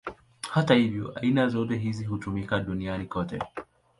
Hata hivyo, aina zote hizi hutumika duniani kote.